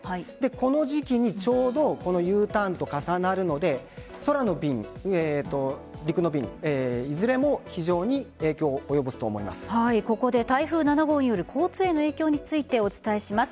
この時期にちょうどＵターンと重なるので空の便陸の便いずれも非常にここで台風７号による交通への影響についてお伝えします。